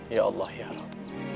ya allah ya allah